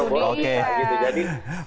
oh ya sudah